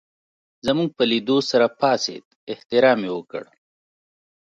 زموږ په لېدو سره پاڅېد احترام یې وکړ.